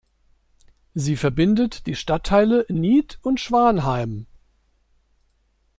Sie verbindet die Stadtteile Nied und Schwanheim.